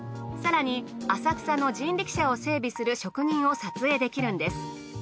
更に浅草の人力車を整備する職人を撮影できるんです。